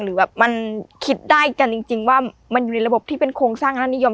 หรือแบบมันคิดได้กันจริงว่ามันอยู่ในระบบที่เป็นโครงสร้างคณะนิยม